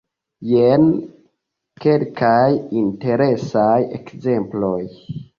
Jen kelkaj interesaj ekzemploj.